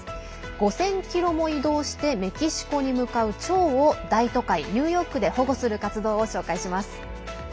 ５０００ｋｍも移動してメキシコに向かうチョウを大都会ニューヨークで保護する活動を紹介します。